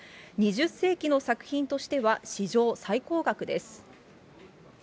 ２０世紀の作品としては史上最高額です。